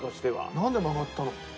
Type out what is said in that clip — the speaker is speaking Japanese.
なんで曲がったの？